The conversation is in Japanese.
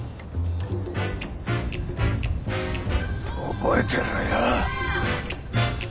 覚えてろよ。